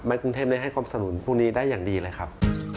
มันกรุงเทพฯได้ให้ความสนุนภูมิได้อย่างดีเลยครับ